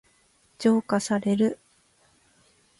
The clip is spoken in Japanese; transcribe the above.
浄化される。